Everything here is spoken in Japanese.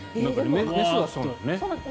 雌はそうなのね。